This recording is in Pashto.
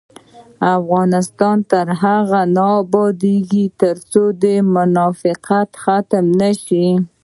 افغانستان تر هغو نه ابادیږي، ترڅو منافقت ختم نشي.